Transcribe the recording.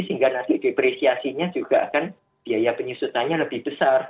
sehingga nanti depresiasinya juga akan biaya penyusutannya lebih besar